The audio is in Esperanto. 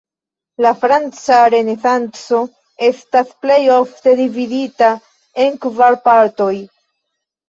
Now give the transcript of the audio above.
La franca Renesanco estas plej ofte dividita en kvar partoj.